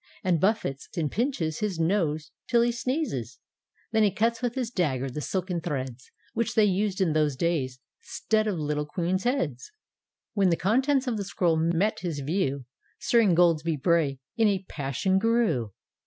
And buffets— and pinches his nose till he sneezes; — Then he cuts with his dagger the silken threads Which they used in those days 'stead of little Queen's heads. When the contents of the scroll met his view, Sir Ingoldsby Bray in a passion grew.